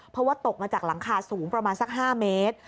เพราะว่าตกมาจากหลังคาสูงประมาณสัก๕เมตร